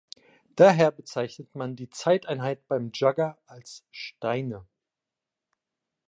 Daher bezeichnet man die Zeiteinheit beim Jugger als „Steine“.